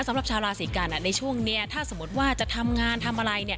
สำหรับชาวราศีกันในช่วงนี้ถ้าสมมติว่าจะทำงานทำอะไรเนี่ย